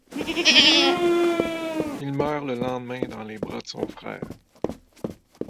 Il meurt le lendemain dans les bras de son frère.